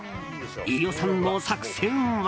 飯尾さんの作戦は？